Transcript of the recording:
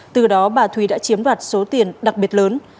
từ đó bà thúy đã chiếm đoạt số tiền đặc biệt lớn